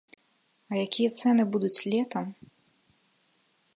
А якія цэны будуць летам?!